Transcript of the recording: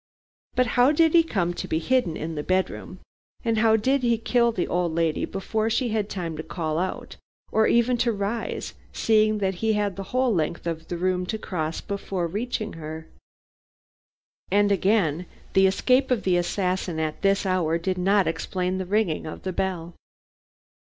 But how did he come to be hidden in the bedroom, and how did he kill the old lady before she had time to call out or even rise, seeing that he had the whole length of the room to cross before reaching her? And again, the escape of the assassin at this hour did not explain the ringing of the bell.